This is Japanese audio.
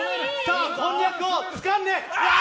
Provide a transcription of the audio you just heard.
こんにゃくをつかんで。